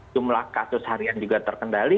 jumlah kasus harian juga terkendali